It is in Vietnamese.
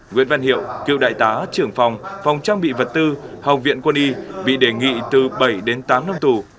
nguyễn văn hiệu cựu đại tá trưởng phòng phòng trang bị vật tư học viện quân y bị đề nghị từ bảy đến tám năm tù